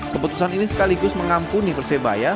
keputusan ini sekaligus mengampuni persebaya